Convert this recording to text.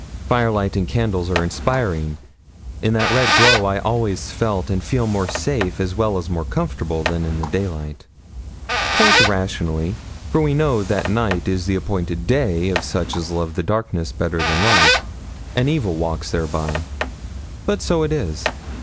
Firelight and candles are inspiring. In that red glow I always felt and feel more safe, as well as more comfortable, than in the daylight quite irrationally, for we know the night is the appointed day of such as love the darkness better than light, and evil walks thereby. But so it is.